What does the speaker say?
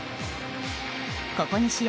ここ２試合